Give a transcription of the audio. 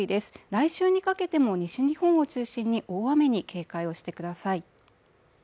来週にかけても西日本を中心に大雨に警戒をしてください。